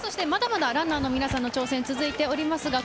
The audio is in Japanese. まだまだランアーの皆さんの挑戦が続いています。